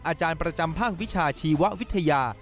อาจารย์ประจำภาควิชาชีววิทยา